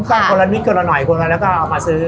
คนละนิดคนละหน่อยคนละแล้วก็เอามาซื้อ